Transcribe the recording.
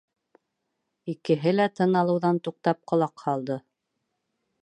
Икеһе лә тын алыуҙан туҡтап, ҡолаҡ һалды.